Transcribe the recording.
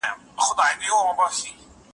کندارۍ ملالې! ګل معلم شهید شو